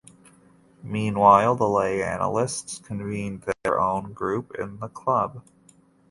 Meanwhile the lay analysts convened their own group in the Club.